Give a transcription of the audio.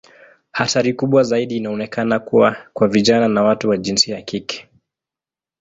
Hatari kubwa zaidi inaonekana kuwa kwa vijana na watu wa jinsia ya kike.